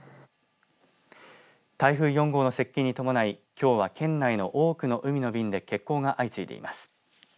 台風４号の接近に伴いきょうは県内の多くの海の便で欠航が相次いでいます。